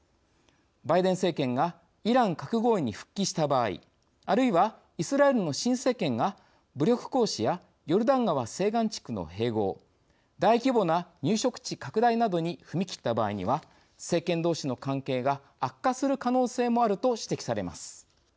バイデン政権がイラン核合意に復帰した場合あるいは、イスラエルの新政権が武力行使やヨルダン川西岸地区の併合大規模な入植地拡大などに踏み切った場合には政権どうしの関係が悪化する可能性もあると指摘されます。